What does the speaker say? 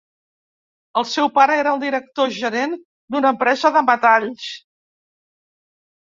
El seu pare era el director gerent d’una empresa de metalls.